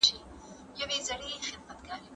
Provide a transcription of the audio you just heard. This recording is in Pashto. سياست پوهنه د ټولنې په پرمختګ کي رول لوبوي.